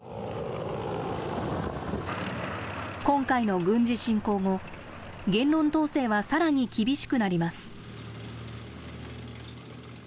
今回の軍事侵攻後、言論統制はさらに厳しくなります。